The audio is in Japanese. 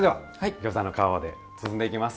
ギョーザの皮で包んでいきます。